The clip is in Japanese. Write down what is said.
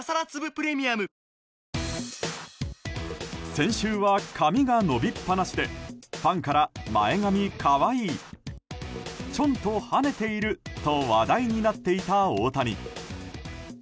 先週は髪が伸びっぱなしでファンから、前髪可愛いちょんと跳ねていると話題になっていた大谷。